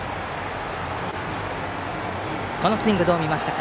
このスイング、どう見ましたか？